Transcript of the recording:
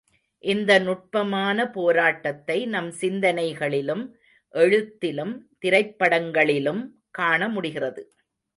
இந்த நுட்பமான போராட்டத்தை நம் சிந்தனைகளிலும் எழுத்திலும் திரைப்படங்களிலும் காணமுடிகிறது.